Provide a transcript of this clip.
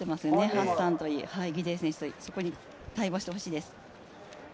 ハッサン選手といいギデイ選手といい、そこに対抗してほしいです。